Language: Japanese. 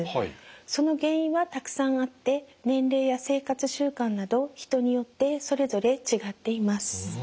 その原因はたくさんあって年齢や生活習慣など人によってそれぞれ違っています。